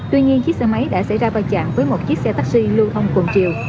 tuy nhiên chiếc xe máy đã xảy ra va chạm với một chiếc xe taxi lưu thông cùng chiều